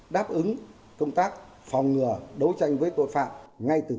đáp ứng công tác phòng ngừa đấu tranh với tội phạm ngay từ cơ sở